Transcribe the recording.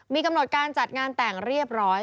มีกำหนดการจัดงานแต่งเรียบร้อย